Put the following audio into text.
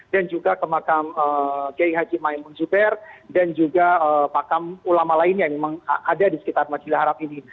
dan juga ke makam gey haji maimun zubair dan juga pakam ulama lain yang memang ada di sekitar majidil haram ini